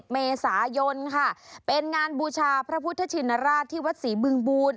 เมษายนค่ะเป็นงานบูชาพระพุทธชินราชที่วัดศรีบึงบูล